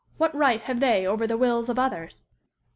What right have they over the wills of others?